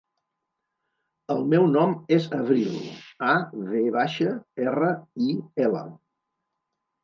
El meu nom és Avril: a, ve baixa, erra, i, ela.